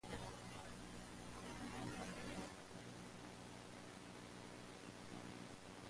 Soon after their formation, the Cowboys won the Tag Team Championship.